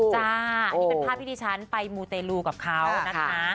อันนี้เป็นภาพที่ดิฉันไปมูเตลูกับเขานะคะ